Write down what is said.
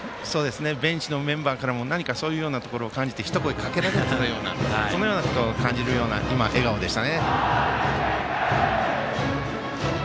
ベンチのメンバーからも何かそういうところを感じて一声かけられてたようなことを感じるような今、笑顔でしたね。